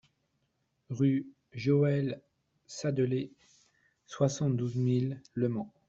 Rue Joël Sadeler, soixante-douze mille Le Mans